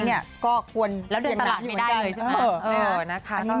แล้วเดินตตลาดไม่ได้เลยใช่ไหม